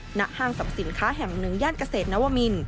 ห้างสรรพสินค้าแห่งหนึ่งย่านเกษตรนวมิน